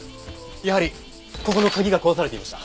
やはりここの鍵が壊されていました。